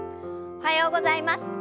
おはようございます。